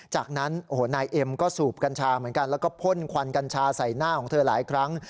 จากนั้นโอ้โหนายเอ็มก็สูบกัญชาเหมือนกันแล้วก็พ่นควันกัญชาใส่หน้าของเธอหลายครั้ง